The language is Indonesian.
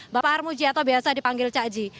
bapak armuji atau biasa dipanggil cakji